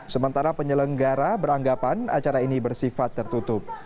sementara penyelenggara beranggapan acara ini bersifat tertutup